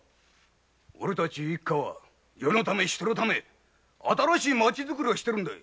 おれたち一家は世のため人のため新しい町づくりをしてるんだい。